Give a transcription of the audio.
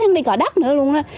nó đi có đất nữa luôn đó